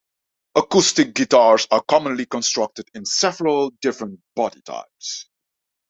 Acoustic guitars are commonly constructed in several different body types.